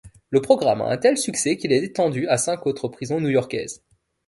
Le programme a un tel succès qu'il est étendu à cinq autres prisons new-yorkaises.